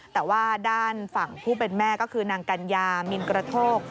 แต่ว่าด้านฝั่งผู้เป็นแม่ก็คือนางกัญญามินกระโทก